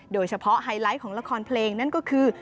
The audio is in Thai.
โดยเฉพาะไฮไลท์ของละครเพลงนั้นก็คือ